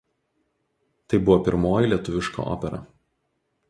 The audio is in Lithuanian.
Tai buvo pirmoji lietuviška opera.